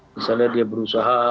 misalnya dia berusaha